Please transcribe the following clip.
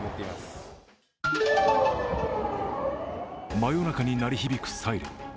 真夜中に鳴り響くサイレン。